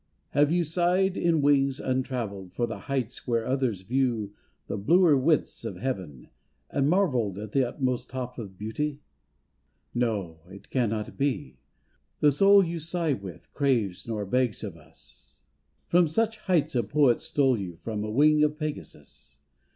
Have you sighed in wings untravelled For the heights where others view the Bluer widths of heaven, and marvelled At the utmost top of Beauty? 231 232 TO AN OLD QUILL OF LORD DUNSANY'S No! it cannot be; the soul you Sigh with craves nor begs of us. From such heights a poet stole you From a wing of Pegasus.